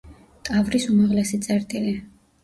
ტავრის უმაღლესი წერტილი.